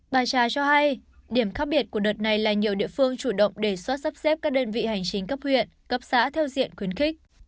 bà trà cho hay điểm khác biệt của đợt này là nhiều địa phương chủ động đề xuất sắp xếp các đơn vị hành chính cấp huyện cấp xã theo diện khuyến khích